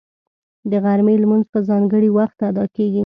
د غرمې لمونځ په ځانګړي وخت ادا کېږي